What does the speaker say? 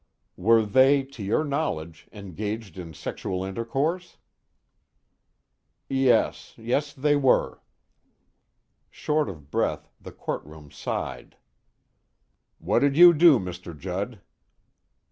"Were they, to your knowledge, engaged in sexual intercourse?" "They yes, they were." Short of breath, the courtroom sighed. "What did you do, Mr. Judd?"